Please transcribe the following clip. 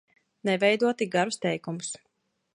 Neveido tik garus teikumus!